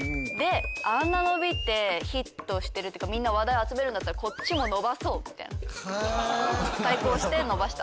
あんな伸びてヒットしてるっていうかみんな話題を集めるんだったらこっちも対抗して伸ばした。